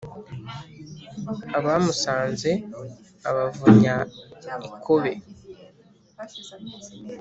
Abamusanze abavunya ikobe